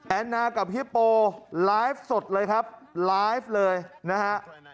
แอนนากับเฮียโปไลฟ์สดเลยครับไลฟ์เลยนะฮะ